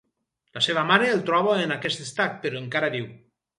La seva mare el troba en aquest estat, però encara viu.